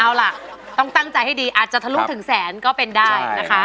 เอาล่ะต้องตั้งใจให้ดีอาจจะทะลุถึงแสนก็เป็นได้นะคะ